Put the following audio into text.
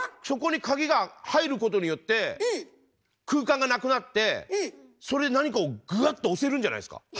そこに鍵が入ることによって空間がなくなってそれで何かをぐっと押せるんじゃないですか？